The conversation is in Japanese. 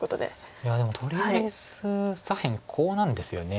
いやでもとりあえず左辺コウなんですよね。